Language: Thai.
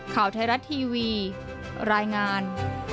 ข่าวไทยรัฐทีวีรายงาน